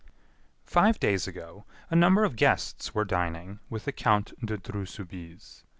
Five days ago, a number of guests were dining with the Count de Dreux Soubise.